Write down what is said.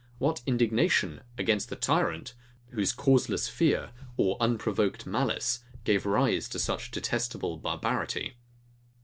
What indignation against the tyrant, whose causeless fear or unprovoked malice gave rise to such detestable barbarity!